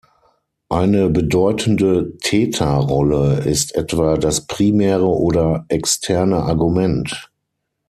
Eine bedeutende Theta-Rolle ist etwa das primäre oder externe Argument.